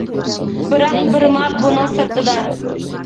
بىراق، بىرما بۇنىڭ سىرتىدا.